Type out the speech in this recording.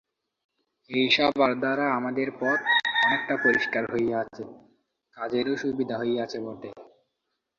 এই সভার দ্বারা আমাদের পথ অনেকটা পরিষ্কার হইয়াছে, কাজেরও সুবিধা হইয়াছে বটে।